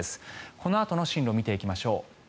このあとの進路を見ていきましょう。